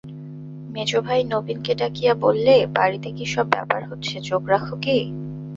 মেজো ভাই নবীনকে ডাকিয়ে বললে, বাড়িতে কী-সব ব্যাপার হচ্ছে চোখ রাখ কি?